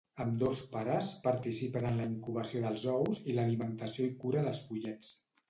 Ambdós pares participen en la incubació dels ous i l'alimentació i cura dels pollets.